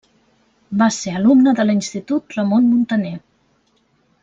Va ser alumne de l'Institut Ramon Muntaner.